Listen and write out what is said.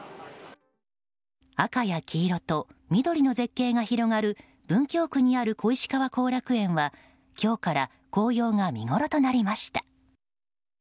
赤や黄色と緑の絶景が広がる文京区にある小石川後楽園は今日から紅葉が見ごろとなりました。